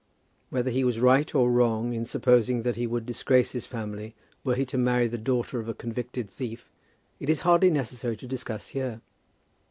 Whether he was right or wrong in supposing that he would disgrace his family were he to marry the daughter of a convicted thief, it is hardly necessary to discuss here.